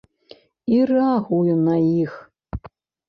І рэагуе на іх.